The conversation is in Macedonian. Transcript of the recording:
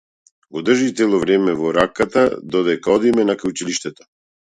Го држи цело време во раката додека одиме накај училиштето.